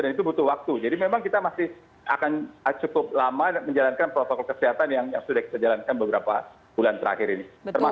dan itu butuh waktu jadi memang kita masih cukup lama menjalankan protokol kesehatan yang sudah kita jalankan beberapa bulan terakhir ini